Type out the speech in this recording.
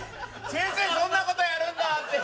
先生そんな事やるんだって。